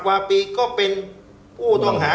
กว่าปีก็เป็นผู้ต้องหา